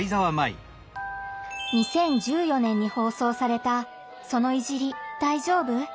２０１４年に放送された「その“いじり”、大丈夫？」。